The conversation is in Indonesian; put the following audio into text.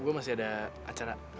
gue masih ada acara